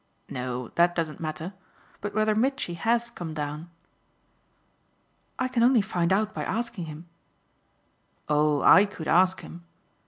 "No, that doesn't matter. But whether Mitchy HAS come down." "I can only find out by asking him." "Oh I could ask him."